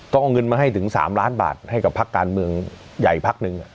ต้องเอาเงินมาให้ถึง๓ล้านบาทให้กับพักการเมืองใหญ่พักหนึ่ง